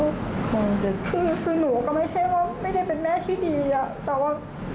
ผมคือลูกไม่ได้เป็นแม่ที่ดีอะ